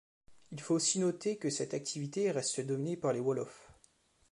Il faut aussi noter que cette activité reste dominée par les Wolofs.